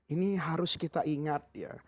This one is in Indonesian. ini harus kita ingat ya